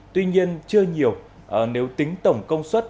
tuy nhiên chưa nhiều nếu tính tổng công suất